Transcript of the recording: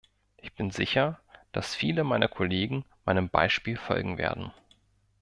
Ich bin sicher, dass viele meiner Kollegen meinem Beispiel folgen werden!